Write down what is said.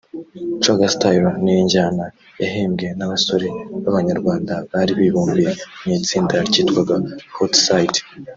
Coga Style ni injyana yahimbwe n’abasore b’Abanyarwanda bari bibumbiye mu itsinda ryitwaga Hot side